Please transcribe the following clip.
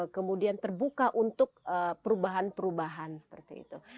kemudian terbuka untuk perubahan perubahan seperti itu